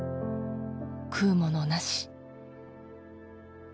「食うものなし」